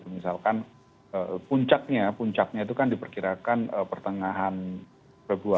misalkan puncaknya puncaknya itu kan diperkirakan pertengahan februari